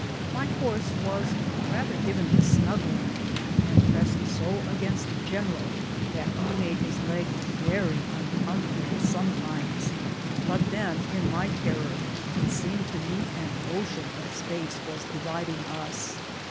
My horse was rather given to snuggling, and pressed 80 against the general that he made his leg very uncom fortable sometimes. But then, in my terror, it seemed to me an ocean of space was dividing us.